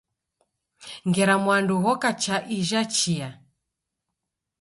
Ngera mwandu ghoka cha ija chia.